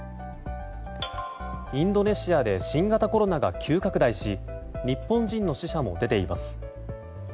インドネシアで新型コロナが急拡大し日本人の死者も出ています。